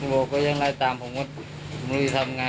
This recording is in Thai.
อ้าวแล้วเจ้าของก็ปล่อยรถไปออกมาได้ไงเค้าไม่รู้หรือเปล่า